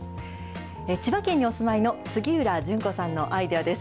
千葉県にお住まいの杉浦潤子さんのアイデアです。